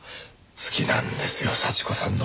好きなんですよ幸子さんの肉じゃが！